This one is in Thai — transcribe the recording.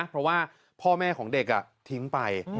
เพราะว่าพ่อแม่ของเด็กทิ้งไป